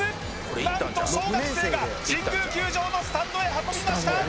何と小学生が神宮球場のスタンドへ運びました！